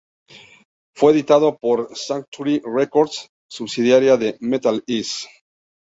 Fue editado por Sanctuary Records, subsidiaria de Metal-Is.